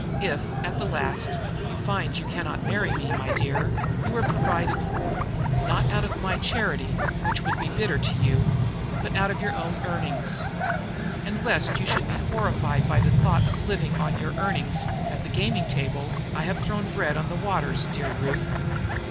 If, at the last, you find you cannot marry me, my dear, you are provided for. Not out of my charity, which would be bitter to you, but out of your own earnings. And, lest you should be horrified at the thought of living on your earnings at the gaming table, I have thrown bread on the waters, dear Ruth.